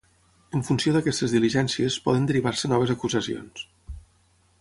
En funció d’aquestes diligències, poden derivar-se noves acusacions.